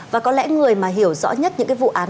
và có lẽ người mà hiểu rõ nhất những vụ án đó là người đàn ông